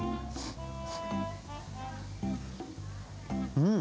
うん！